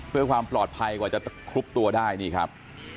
เพื่อความปลอดภัยกว่าจะคลุกตัวได้นี่ครับ